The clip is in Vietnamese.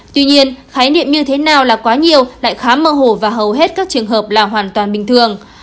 tuy nhiên khái niệm như thế nào là quá nhiều lại khá mơ hồ và hầu hết các trường hợp là hoàn toàn bình thường